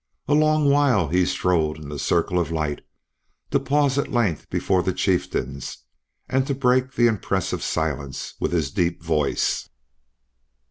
A long while he strode in the circle of light to pause at length before the chieftains and to break the impressive silence with his deep voice.